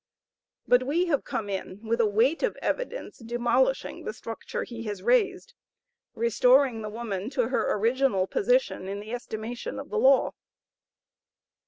But we have come in with a weight of evidence demolishing the structure he has raised, restoring the woman to her original position in the estimation of the law.